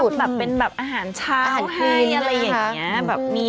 เขาทำอาหารขาวให้อะไรอย่างนี้